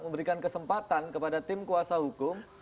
memberikan kesempatan kepada tim kuasa hukum